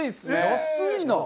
安いな！